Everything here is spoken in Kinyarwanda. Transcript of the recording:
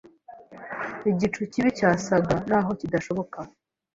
Igicu kibi cyasaga naho kidashoboka